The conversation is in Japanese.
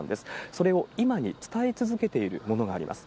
それを今に伝え続けているものがあります。